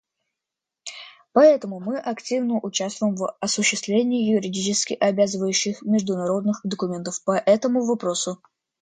Поэтому мы активно участвуем в осуществлении юридически обязывающих международных документов по этому вопросу.